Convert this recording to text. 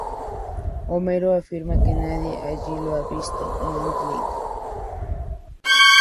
Homero afirma que nadie allí ha visto "Moonlight".